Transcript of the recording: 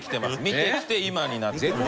見てきて今になってる。